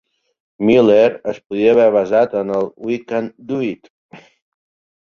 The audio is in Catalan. Miller es podria haver basat en el "We Can Do It!"